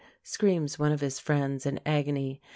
screams one of his friends, in agony.